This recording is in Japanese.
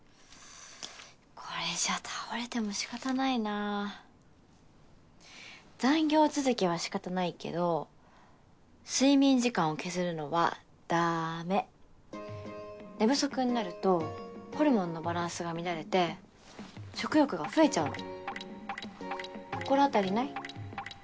これじゃあ倒れても仕方ないな残業続きは仕方ないけど睡眠時間を削るのはダメ寝不足になるとホルモンのバランスが乱れて食欲が増えちゃうの心当たりない？